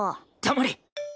黙れ！